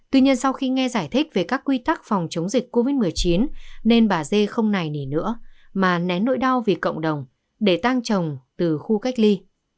tuy nhiên sau khi nghe giải thích về các quy tắc phòng chống dịch covid một mươi chín nên bà dê không này nỉ nữa mà nén nỗi đau vì cộng đồng để tang chồng từ khu cách ly